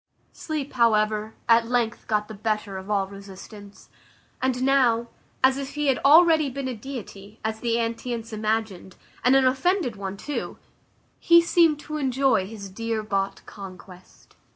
Sleep, however, at length got the better of all resistance; and now, as if he had already been a deity, as the antients imagined, and an offended one too, he seemed to enjoy his dear bought conquest.